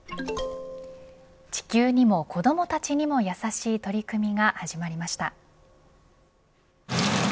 地球にも子どもたちにもやさしい取り組みが始まりました。